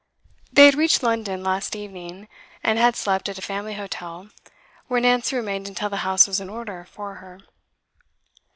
They had reached London last evening, and had slept at a family hotel, where Nancy remained until the house was in order for her.